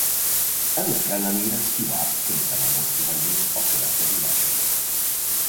Ennek ellenére Stewart kénytelen volt kihagyni a következő versenyt.